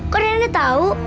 kok nenek tahu